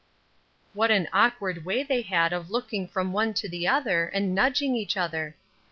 What an awkward way they had of looking from one to the other, and nudging each other.